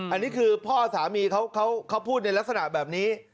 อันนี้คือพ่อสามีเขาพูดในลักษณะแบบนี้